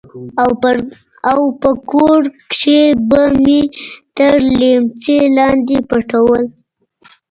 او په کور کښې به مې تر ليمڅي لاندې پټول.